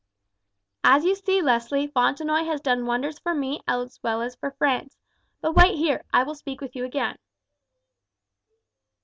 "As you see, Leslie, Fontenoy has done wonders for me as well as for France; but wait here, I will speak with you again."